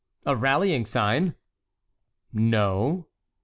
"A rallying sign?" "No."